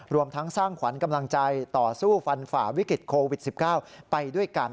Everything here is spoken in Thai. รวมทั้งสร้างขวัญกำลังใจต่อสู้ฟันฝ่าวิกฤตโควิด๑๙ไปด้วยกัน